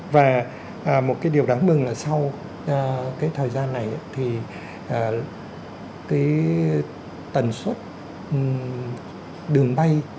và một cái điều đáng mừng là sau cái thời gian này thì cái tần suất đường bay